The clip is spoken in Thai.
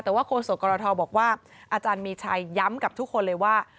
แต่ว่าโฆษกรทบอกว่าอาจารย์มีชัยย้ำกับทุกคนเลยว่า